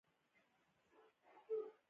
چار مغز د افغان ښځو په ژوند کې رول لري.